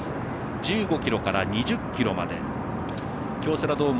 １５ｋｍから２０ｋｍまで京セラドーム